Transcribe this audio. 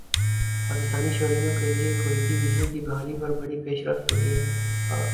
پاکستانی شہریوں کے لیے کویتی ویزے کی بحالی پر بڑی پیش رفت ہوئی ہےا